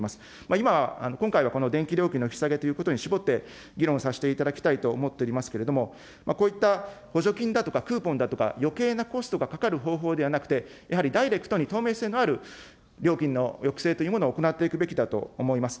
今、今回の電気料金の引き下げということに絞って、議論させていただきたいと思っておりますけれども、こういった補助金だとかクーポンだとかよけいなコストがかかる方法ではなくて、やはりダイレクトに透明性のある料金の抑制というものを行っていくべきだと思います。